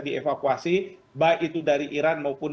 dievakuasi baik itu dari iran maupun